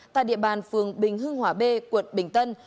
tại địa bàn phường bình hưng hòa b quận bình tân